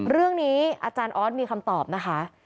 เรื่องนี้อาจารย์ออสมีคำตอบนะคะ